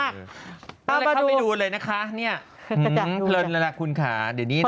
เข้าไปดูเลยนะคะเพลินแล้วแหละคุณค่ะเดี๋ยวนี้นะ